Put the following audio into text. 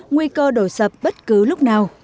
nguy cơ đổ dập bất cứ lúc nào